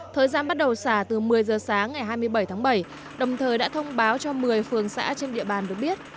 thời gian bắt đầu xả từ một mươi giờ sáng ngày hai mươi bảy tháng bảy đồng thời đã thông báo cho một mươi phường xã trên địa bàn được biết